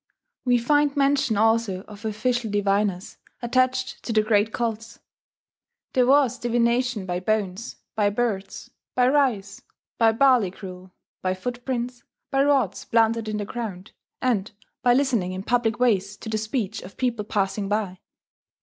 We find mention also of official diviners, attached to the great cults. There was divination by bones, by birds, by rice, by barley gruel, by footprints, by rods planted in the ground, and by listening in public ways to the speech of people passing by.